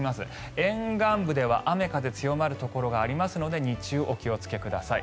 沿岸部では雨、風強まるところがありますので日中、お気をつけください。